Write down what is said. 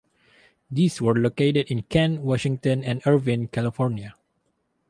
These were located in Kent, Washington and Irvine, California.